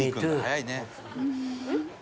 早いね」